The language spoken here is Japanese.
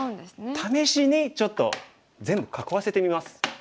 試しにちょっと全部囲わせてみます。